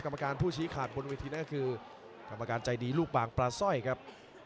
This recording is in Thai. กรรมการผู้ชี้ขาดบนเวทีนั่นก็คือกรรมการใจดีลูกบางปลาสร้อยครับ